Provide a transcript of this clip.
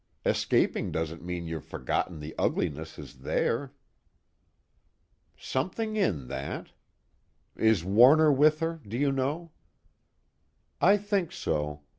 Escaping doesn't mean you've forgotten the ugliness is there." "Something in that. Is Warner with her, do you know?" "I think so.